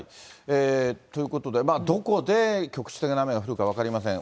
ということで、どこで局地的な雨が降るか分かりません。